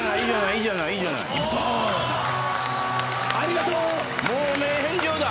ありがとう！汚名返上だ。